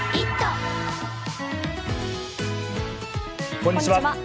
こんにちは。